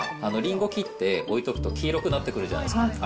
リンゴ切って、置いとくと黄色くなってくるじゃないですか。